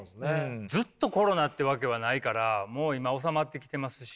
ずっとコロナってわけはないからもう今収まってきてますし。